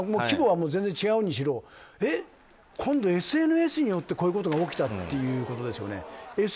規模は全然違うにしろＳＮＳによってこういうことが起きたということですよね。